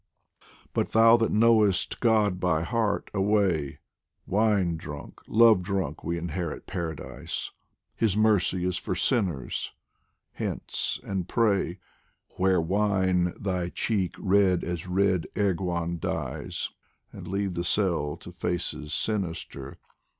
But thou that knowest God by heart, away ! Wine drunk, love drunk, we inherit Paradise, His mercy is for sinners ; hence and pray Where wine thy cheek red as red erghwan dyes, And leave the cell to faces sinister.